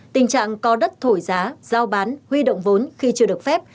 tình trạng có đất thổi giá giao bán huy động vốn khi chưa được phép